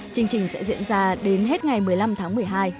chương trình sẽ diễn ra đến hết ngày một mươi năm tháng một mươi hai